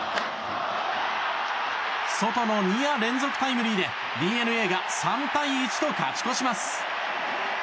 ソトの２夜連続タイムリーでＤｅＮＡが３対１と勝ち越します。